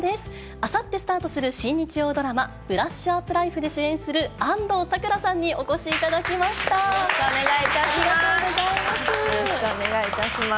あさってスタートする新日曜ドラマ、ブラッシュアップライフで主演する安藤サクラさんにお越しいただよろしくお願いいたします。